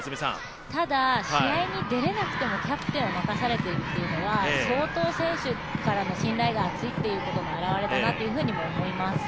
ただ、試合に出れなくてもキャプテンを任されているというのは相当選手からの信頼が厚いということのあらわれだなと思います。